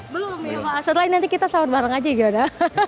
belum ya pak setelah ini nanti kita sahur bareng aja gimana